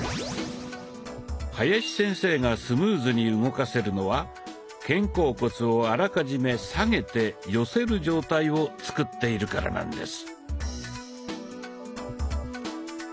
林先生がスムーズに動かせるのは肩甲骨をあらかじめ下げて寄せる状態を作っているからなんです。